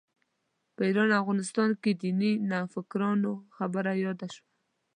په ایران افغانستان کې دیني نوفکرانو خبره یاده شوه.